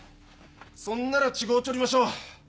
そんなら違うちょりましょう。